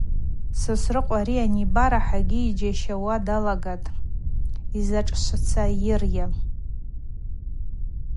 Сосрыкъва ари аниба рахӏагьи йджьайщауа далагатӏ: Йзачӏвсайырйа?